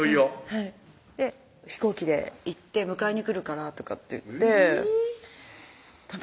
はい飛行機で行って「迎えに来るから」とかって言ってとみ